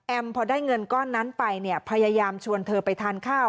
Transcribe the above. พอได้เงินก้อนนั้นไปเนี่ยพยายามชวนเธอไปทานข้าว